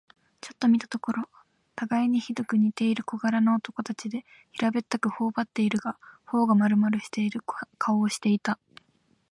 ちょっと見たところ、たがいにひどく似ている小柄な男たちで、平べったく、骨ばってはいるが、頬がまるまるしている顔をしていた。